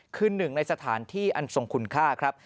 คือหนึ่งในสถานที่อันทรงคุณค่าครับ